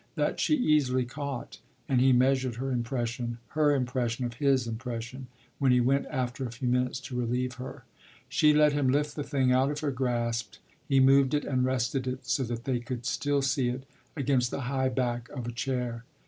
That she easily caught, and he measured her impression her impression of his impression when he went after a few minutes to relieve her. She let him lift the thing out of her grasp; he moved it and rested it, so that they could still see it, against the high back of a chair.